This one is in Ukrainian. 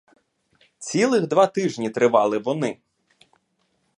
Цілих два тижні тривали вони.